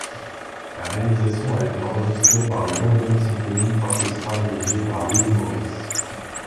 La réalisation a été enregistrée par la London Symphony Orchestra dirigé par Wyn Morris.